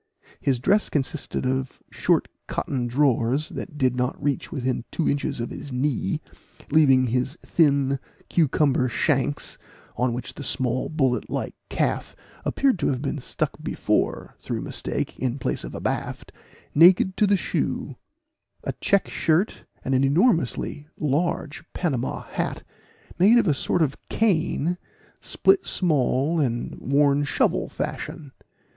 His dress consisted of short cotton drawers, that did not reach within two inches of his knee, leaving his thin cucumber shanks (on which the small bullet like calf appeared to have been stuck before, through mistake, in place of abaft) naked to the shoe; a check shirt, and an enormously large Panama hat, made of a sort of cane, split small, and worn shovel fashion.